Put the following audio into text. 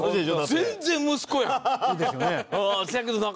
全然息子やん。